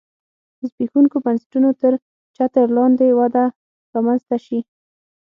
د زبېښونکو بنسټونو تر چتر لاندې وده رامنځته شي